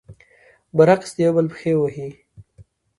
برعکس، د يو بل پښې وهي.